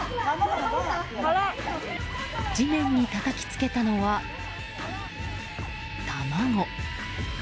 地面にたたきつけたのは、卵。